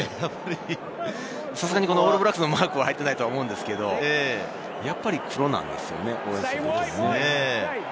さすがにオールブラックスのマークは入っていないと思うんですけれど、やっぱり黒なんですね。